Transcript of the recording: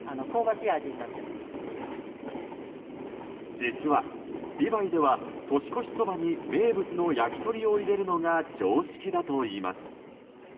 実は、美唄では年越しそばに名物の焼き鳥を入れるのが常識だといいます。